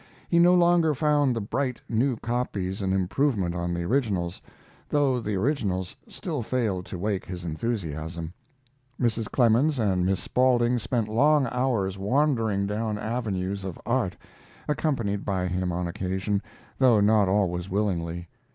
He no longer found the bright, new copies an improvement on the originals, though the originals still failed to wake his enthusiasm. Mrs. Clemens and Miss Spaulding spent long hours wandering down avenues of art, accompanied by him on occasion, though not always willingly.